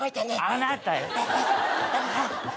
あなたよ。